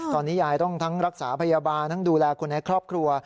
ตอนนี้ยายต้องทั้งรักษาพยาบาลทั้งดูแลคนในครอบครัว